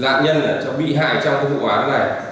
nạn nhân bị hại trong vụ án này